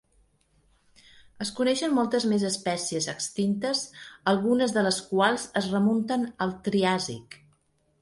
Es coneixen moltes més espècies extintes, algunes de les quals es remunten al Triàsic.